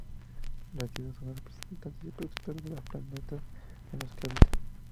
Las Diosas son las representantes y protectoras de los planetas en los que habitan.